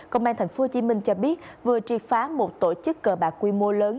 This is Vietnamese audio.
công an tp hcm cho biết vừa triệt phá một tổ chức cờ bạc quy mô lớn